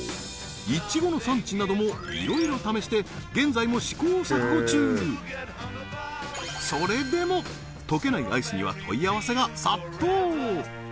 イチゴの産地などもいろいろ試して現在も試行錯誤中それでも溶けないアイスには問い合わせが殺到！